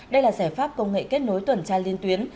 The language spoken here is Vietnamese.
đây là giải pháp công nghệ kết nối tuần tra liên tuyến